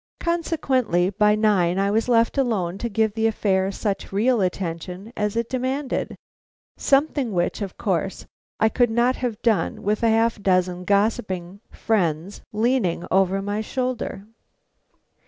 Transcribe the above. Consequently by nine I was left alone to give the affair such real attention as it demanded; something which, of course, I could not have done with a half dozen gossiping friends leaning over my shoulder.